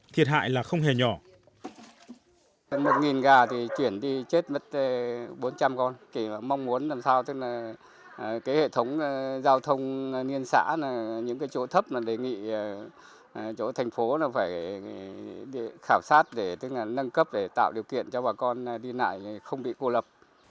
phố phải khảo sát tức là nâng cấp để tạo điều kiện cho bà con đi lại không bị cô lập